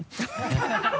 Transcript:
ハハハ